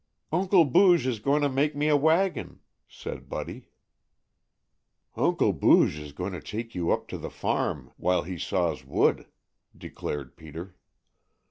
"Uncle Booge is going to make me a wagon," said Buddy. "Uncle Booge is going to take you up to the farm while he saws wood," declared Peter.